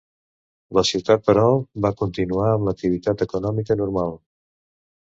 La ciutat, però, va continuar amb l'activitat econòmica normal.